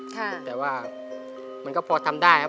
ค่ะแต่ว่ามันก็พอทำได้เลย